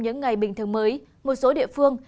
những ngày bình thường mới một số địa phương